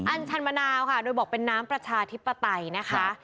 ัญชันมะนาวค่ะโดยบอกเป็นน้ำประชาธิปไตยนะคะ